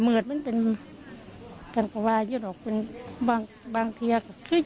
คือว่าใครใครเป็นใคร